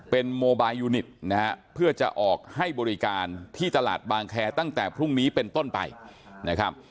เป็นโมบายยูนิตนะฮะเพื่อจะออกให้บริการที่ตลาดบางแคร์ตั้งแต่พรุ่งนี้เป็นต้นไปนะครับ